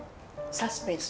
サスペンス。